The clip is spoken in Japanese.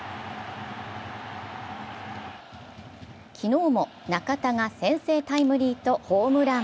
昨日も中田が先制タイムリーとホームラン。